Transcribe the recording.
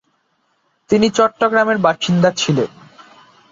তিনি চট্টগ্রামের বাসিন্দা ছিলেন।